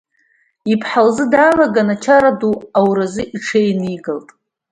Иԥҳа лзы даалаган ачара ду ауразы иҽеинигалт.